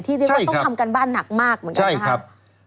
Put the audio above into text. ที่เรียกว่าต้องทำการบ้านหนักมากเหมือนกัน